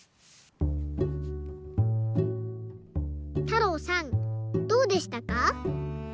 たろうさんどうでしたか？